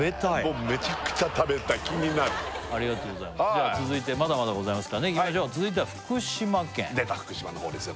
これ食べたい気になるありがとうございます続いてまだまだございますからねいきましょう続いては福島県出た福島のほうですよ